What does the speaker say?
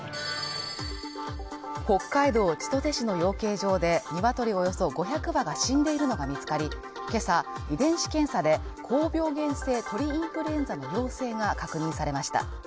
北海道千歳市の養鶏場でニワトリおよそ５００羽が死んでいるのが見つかり、今朝、遺伝子検査で高病原性鳥インフルエンザの陽性が確認されました。